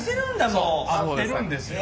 そう会ってるんですよ